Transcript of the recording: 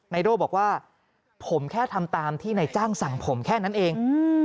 โด่บอกว่าผมแค่ทำตามที่นายจ้างสั่งผมแค่นั้นเอง